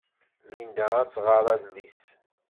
Linda ad tɣer adlis.